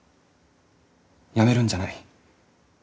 やめるんじゃない。